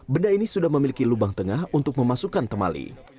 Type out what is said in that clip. benda ini sudah memiliki lubang tengah untuk memasukkan temali